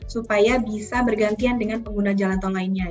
supaya bisa bergantian dengan pengguna jalan tol lainnya